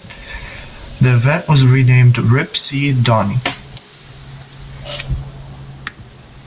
The event was renamed Ripspeed Donny.